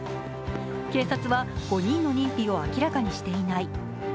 警察は５人の認否を明らかにしていない。